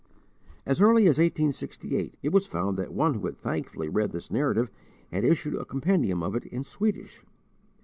As early as 1868 it was found that one who had thankfully read this Narrative had issued a compendium of it in Swedish.